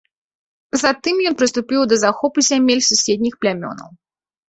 Затым ён прыступіў да захопу зямель суседніх плямёнаў.